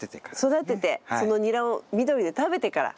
育ててそのニラを緑で食べてから。